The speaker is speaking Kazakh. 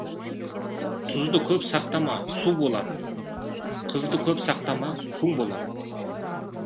Тұзды көп сақтама, су болар, қызды көп сақтама, күң болар.